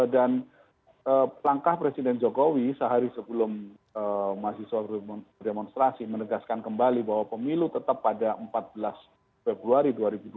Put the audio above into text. dan langkah presiden jokowi sehari sebelum mahasiswa berdemonstrasi menegaskan kembali bahwa pemilu tetap pada empat belas februari dua ribu dua puluh empat